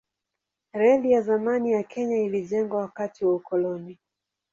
Reli ya zamani ya Kenya ilijengwa wakati wa ukoloni.